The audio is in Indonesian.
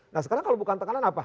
nah sekarang kalau bukan tekanan apa